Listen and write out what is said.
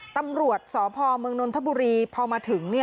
ตำรวจสภมนทบุรีพอมาถึง